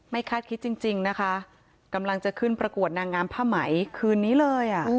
ไม่คัดคิดจริงนะคะกำลังจะขึ้นประกวดนางงามภาหมัยคืนนี้เลย